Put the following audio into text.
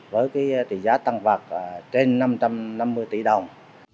với trị giá tăng vật trên đường hàng